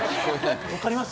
分かります？